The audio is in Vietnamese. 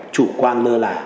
chủ quan lơ là